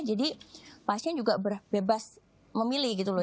jadi pasien juga bebas memilih gitu loh